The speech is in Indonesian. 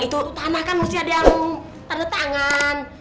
itu tanah kan mesti ada yang tanda tangan